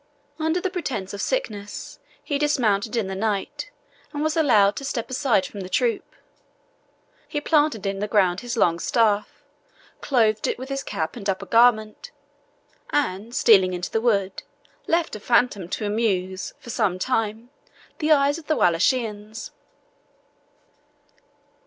Under the pretence of sickness, he dismounted in the night, and was allowed to step aside from the troop: he planted in the ground his long staff, clothed it with his cap and upper garment; and, stealing into the wood, left a phantom to amuse, for some time, the eyes of the Walachians.